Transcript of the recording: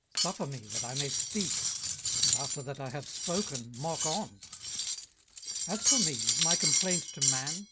18:021:003 Suffer me that I may speak; and after that I have spoken, mock on. 18:021:004 As for me, is my complaint to man?